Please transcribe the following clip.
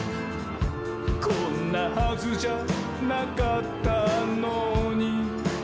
「こんなはずじゃなかったのに」